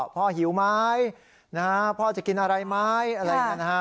หิวไหมพ่อจะกินอะไรไหมอะไรอย่างนี้นะฮะ